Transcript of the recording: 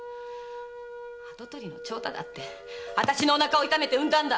跡取りの長太だって私のおなかを痛めて産んだんだ！